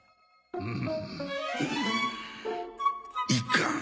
うん。